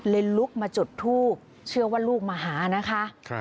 ลุกมาจุดทูบเชื่อว่าลูกมาหานะคะ